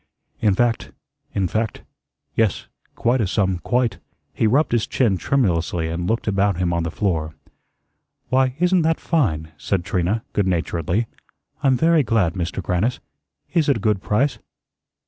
In fact in fact yes, quite a sum, quite." He rubbed his chin tremulously and looked about him on the floor. "Why, isn't that fine?" said Trina, good naturedly. "I'm very glad, Mister Grannis. Is it a good price?"